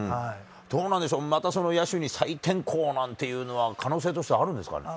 どうなんでしょう、また野手に再転向なんていうのは、可能性としてはあるんですかね。